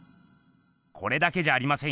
これだけじゃありませんよ。